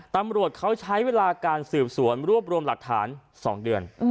ตำรวจเขาใช้เวลาการสืบสวนรวบรวมหลักฐาน๒เดือน